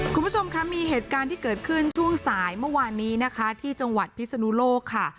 คุณผู้ชมคะมีเหตุการณ์ที่เกิดขึ้นช่วงสายเมื่อวานนี้นะคะที่จังหวัดพิศนุโลกค่ะ